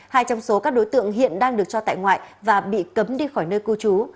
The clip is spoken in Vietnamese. hai trong số các đối tượng hiện đang được cho tại ngoại và bị cấm đi khỏi nơi cư trú